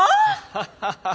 ハハハッ。